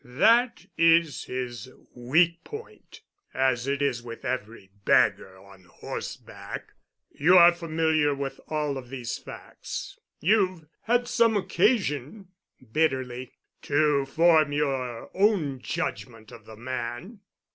That is his weak point—as it is with every beggar on horseback. You are familiar with all of these facts. You've had some occasion," bitterly, "to form your own judgment of the man.